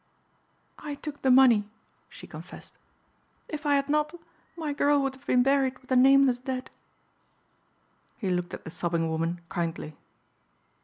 "I took the money," she confessed. "If I had not my girl would have been buried with the nameless dead." He looked at the sobbing woman kindly.